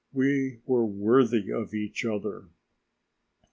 We were worthy of each other.